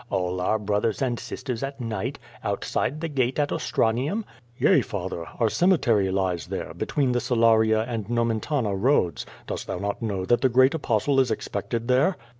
All our brothers and sisters at night? Outside the gate at Ostranium?" "Yea, father, our cemetery lies there, between the Salaria and Nomentana roads. Dost thou not know that the great Apostle is expected there?'